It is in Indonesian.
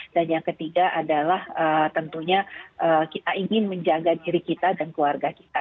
dan yang ketiga adalah tentunya kita ingin menjaga diri kita dan keluarga kita